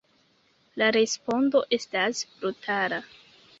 La respondo estas brutala.